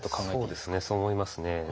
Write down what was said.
そうですねそう思いますね。